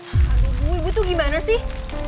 ibu ibu tuh gimana sih